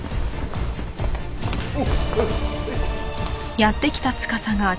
おっ！？